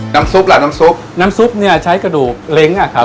ซุปล่ะน้ำซุปน้ำซุปเนี้ยใช้กระดูกเล้งอ่ะครับ